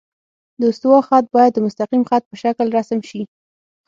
د استوا خط باید د مستقیم خط په شکل رسم شي